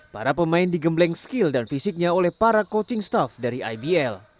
para pemain digembleng skill dan fisiknya oleh para coaching staff dari ibl